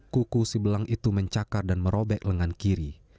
kuku si belang itu mencakar dan merobek lengan kiri